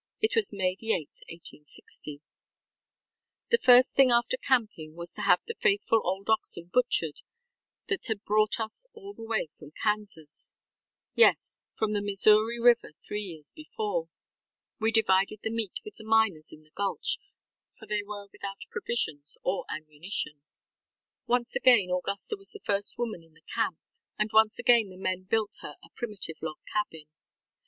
It was May 8, 1860. ŌĆ£The first thing after camping was to have the faithful old oxen butchered that had brought us all the way from KansasŌĆöyes, from the Missouri River three years before. We divided the meat with the miners in the gulch, for they were without provisions or ammunition. ŌĆØ Once again Augusta was the first woman in the camp, and once again the men built her a primitive log cabin.